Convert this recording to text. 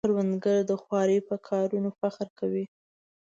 کروندګر د خوارۍ په کارونو فخر کوي